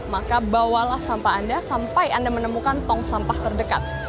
maka bawalah sampah anda sampai anda menemukan tong sampah terdekat